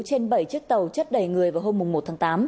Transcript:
trên bảy chiếc tàu chất đầy người vào hôm một tháng tám